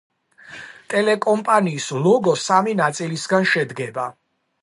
ტელეკომპანიის ლოგო სამი ნაწილისგან შედგება.